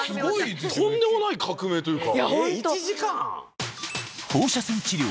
とんでもない革命というか。